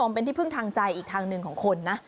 อย่างนั้นที่เพิ่งทางใจอีกทางหนึ่งของคนนะ